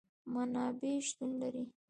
منابع شتون لري